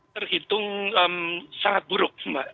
terhitung sangat buruk mbak